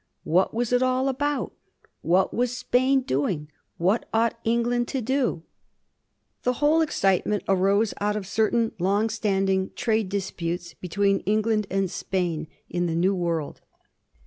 What was it all about ? What was Spain doing ? What ought England to do ? The whole excitement arose out of certain long stand ing trade disputes between England and Spain in the New World.